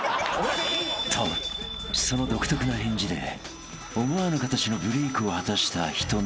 ［とその独特な返事で思わぬ形のブレイクを果たしたひとみ〇］